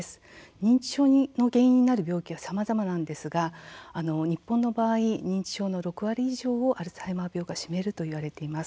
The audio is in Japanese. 認知症の原因になる病気はさまざまですが日本の場合認知症の６割以上アルツハイマー病が占めるといわれています。